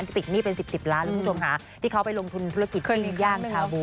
ปฏิกิจนี่เป็น๑๐ล้านหรือผู้ชมหาที่เขาไปลงทุนธุรกิจนี่ย่างชาวบู